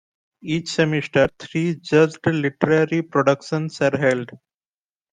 Each semester, three judged Literary Productions are held.